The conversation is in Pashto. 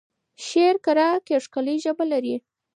شعر په کره کېښکلې ژبه لري.